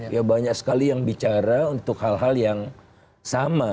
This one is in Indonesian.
ya banyak sekali yang bicara untuk hal hal yang sama